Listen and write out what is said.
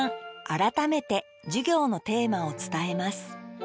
改めて授業のテーマを伝えます